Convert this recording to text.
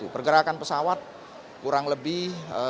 pergerakan pesawat kurang lebih